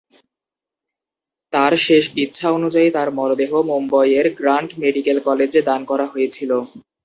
তার শেষ ইচ্ছা অনুযায়ী তার মরদেহ মুম্বইয়ের গ্রান্ট মেডিকেল কলেজে দান করা হয়েছিল।